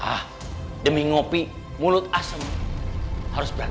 ah demi ngopi mulut asem harus berat